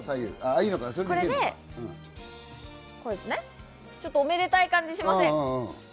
これで、ちょっとおめでたい感じがしません？